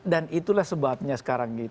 dan itulah sebabnya sekarang ini